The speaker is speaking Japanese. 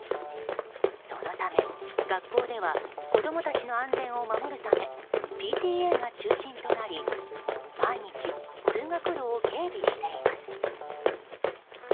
そのため学校では子供たちの安全を守るためＰＴＡが中心となり毎日、通学路を警備しています。